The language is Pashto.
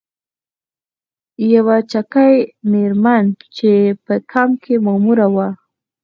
یوه چکي میرمن چې په کمپ کې ماموره وه.